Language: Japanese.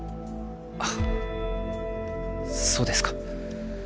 あそうですか